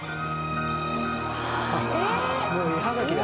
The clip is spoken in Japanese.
もう絵はがきだ。